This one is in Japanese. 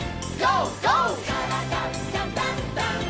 「からだダンダンダン」